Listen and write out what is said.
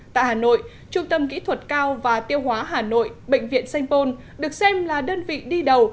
tại hà nội trung tâm kỹ thuật cao và tiêu hóa hà nội bệnh viện sanh pôn được xem là đơn vị đi đầu